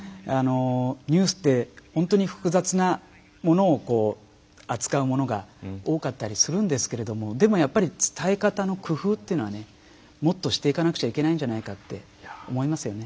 ニュースって本当に複雑なものを扱うものが多かったりするんですけれどもでもやっぱり伝え方の工夫っていうのはねもっとしていかなくちゃいけないんじゃないかって思いますよね。